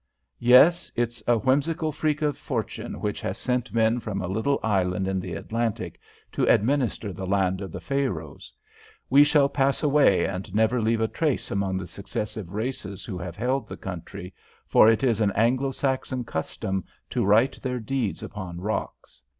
"Yes, it's a whimsical freak of fortune which has sent men from a little island in the Atlantic to administer the land of the Pharaohs. We shall pass away and never leave a trace among the successive races who have held the country, for it is an Anglo Saxon custom to write their deeds upon rocks.